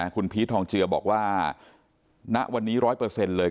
คุณพีชทองเจือบอกว่าณวันนี้ร้อยเปอร์เซ็นต์เลย